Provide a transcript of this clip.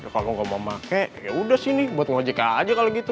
kalau gak mau pakai ya udah sini buat ngajek aja kalau gitu